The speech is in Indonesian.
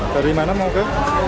dari mana mau ke